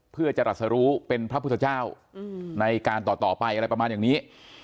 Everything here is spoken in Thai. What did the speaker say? เพื่อจะรัสรู้เป็นพระพุทธเจ้าในการต่อไปอะไรประมาณอย่างนี้